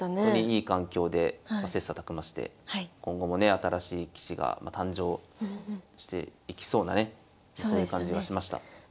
よりいい環境で切さたく磨して今後もね新しい棋士が誕生していきそうなねそういう感じがしました。